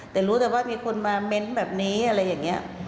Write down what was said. แต่รู้แต่ว่ามีคนมาเม้นต์แบบนี้อะไรอย่างนี้